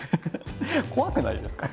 怖くないですか？